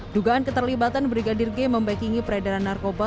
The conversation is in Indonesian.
dugaan keterlibatan brigadir g membekingi peredaran narkoba